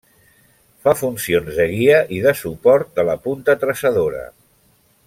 Fa funcions de guia i de suport de la punta traçadora.